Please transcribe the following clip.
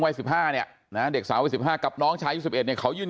วัย๑๕ปีเนี่ยนะเด็กสาว๑๕กับน้องชายสุดสิบเอสในเค้ายืน